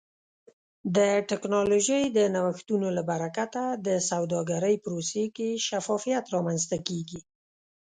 د ټکنالوژۍ د نوښتونو له برکته د سوداګرۍ پروسې کې شفافیت رامنځته کیږي.